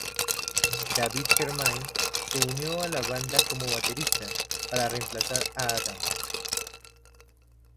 David Germain se unió a la banda como baterista, para reemplazar a Adam.